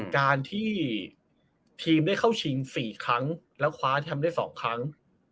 การที่ทีมได้เข้าชิง๔ครั้งแล้วคว้าแชมป์ได้๒ครั้ง